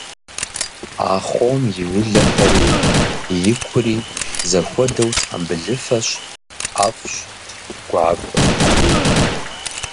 Ахъом и жылэхэри икури зэхуэдэу тхьэмбылыфэщ, ӏэфӏщ, гуакӏуэщ.